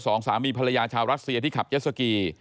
สองสามีภรรยาชาวรัสเซียที่ขับเจ็ดสกี